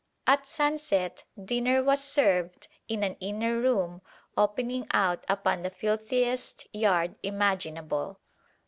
At sunset dinner was served in an inner room opening out upon the filthiest yard imaginable.